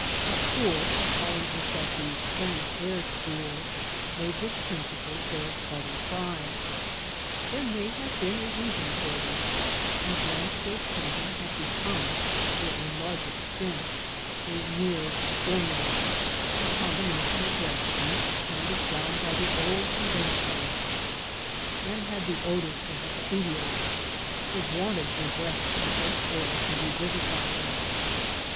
A school, calling itself the ''plein air'' school, made this principle their party cry. There may have been a reason for this, as landscape painting had become to a large extent a mere formula, a combination of recipes handed down by the old conventionalists, and had the odour of the studio; it wanted a breath of fresh air to revivify it.